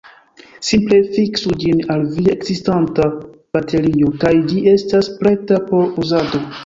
Simple fiksu ĝin al via ekzistanta baterio, kaj ĝi estas preta por uzado.